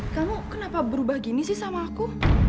kamu kenapa berubah gini sih sama aku